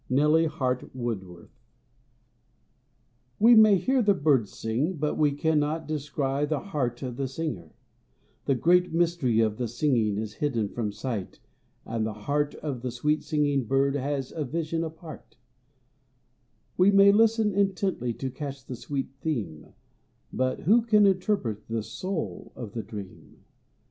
NELLY HART WOODWORTH. We may hear the bird sing but we cannot descry The heart of the singer; the great mystery Of the singing is hidden from sight, and the heart Of the sweet singing bird has a vision apart; We may listen intently to catch the sweet theme, But who can interpret the soul of the dream?